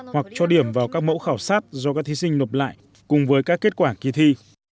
hoặc cho điểm vào các mẫu khảo sát do các thí sinh nộp lại cùng với các kết quả kỳ thi